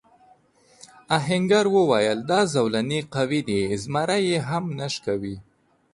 آهنګر وویل دا زولنې قوي دي زمری هم نه شکوي.